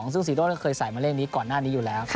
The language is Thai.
ซึ่งซีโร่ก็เคยใส่มาเลขนี้ก่อนหน้านี้อยู่แล้ว